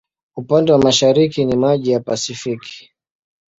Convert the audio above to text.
Upande wa mashariki ni maji ya Pasifiki.